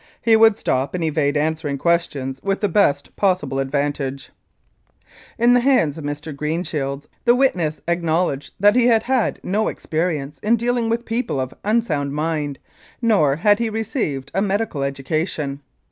He would stop and evade answering questions with the best possible advantage. In the hands of Mr. Greenshields the witness acknowledged that he had had no experience in dealing with people of unsound mind, nor had he received a medical education.